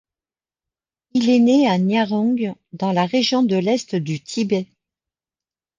Il est né à Nyarong dans la région de l'est du Tibet.